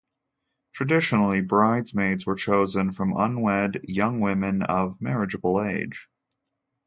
Traditionally, bridesmaids were chosen from unwed young women of marriageable age.